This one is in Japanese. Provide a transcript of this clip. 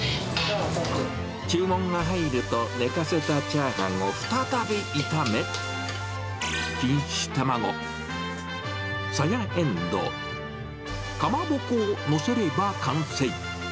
注文が入ると、寝かせたチャーハンを再び炒め、錦糸卵、さやえんどう、かまぼこを載せれば完成。